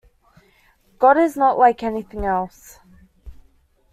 God is not like anything else.